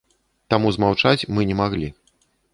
Таму змаўчаць мы не маглі.